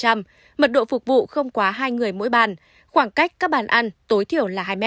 mật độ phục vụ không quá hai người mỗi bàn khoảng cách các bàn ăn tối thiểu là hai m